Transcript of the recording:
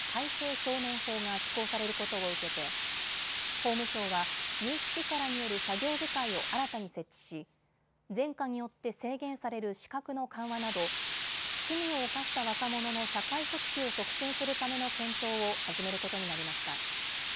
少年法が施行されることを受けて法務省は有識者らによる作業部会を新たに設置し前科によって制限される資格の緩和など罪を犯した若者の社会復帰を促進するための検討を始めることになりました。